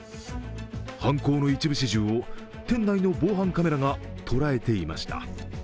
犯行の一部始終を店内の防犯カメラが捉えていました。